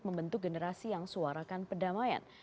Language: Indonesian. membentuk generasi yang suarakan perdamaian